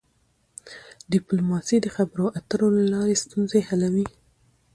ډيپلوماسي د خبرو اترو له لاري ستونزي حلوي.